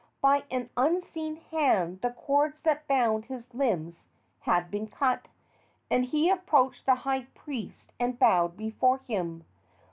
By an unseen hand the cords that bound his limbs had been cut, and he approached the high priest and bowed before him.